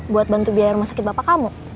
buat bantu biaya rumah sakit bapak kamu